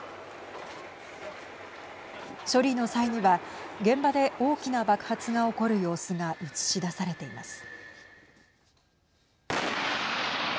処理の際には現場で大きな爆発が起こる様子が映し出されています。